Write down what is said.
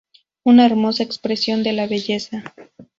Una hermosa expresión de la belleza.